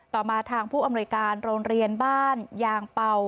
ต่อมาทางผู้อำนวยการโรงเรียนบ้านยางเป่า